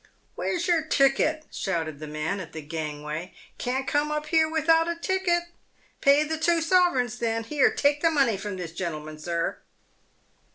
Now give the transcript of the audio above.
" Where's your ticket ?" shouted the man at the gangway ;" can't come up here without a ticket. Pay the two sovereigns, then. Here, take money from this gentleman," sir."